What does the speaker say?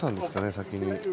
先に。